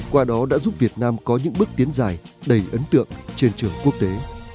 qua đó đã giúp việt nam có những bước tiến dài đầy ấn tượng trên trường quốc tế